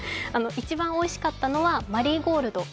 一番おいしかったのはマリーゴールド。